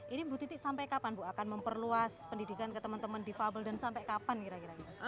ini bu titi sampai kapan bu akan memperluas pendidikan ke teman teman difabel dan sampai kapan kira kira